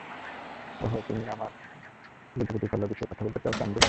ওহ, তুমি আমার লুতুপুতু খেলার বিষয়ে কথা বলতে চাও, চান্দু?